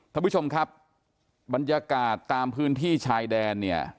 ท่านผู้ชมครับบรรยากาศตามพื้นที่ชายแดนเนี่ย